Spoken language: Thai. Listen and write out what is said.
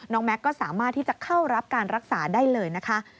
แม็กซ์ก็สามารถที่จะเข้ารับการรักษาได้เลยนะคะ